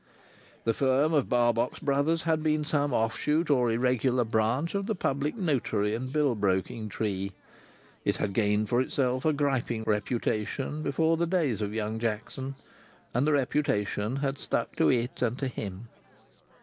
The firm of Barbox Brothers had been some offshoot or irregular branch of the Public Notary and bill broking tree. It had gained for itself a griping reputation before the days of Young Jackson, and the reputation had stuck to it and to him.